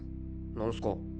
何すか？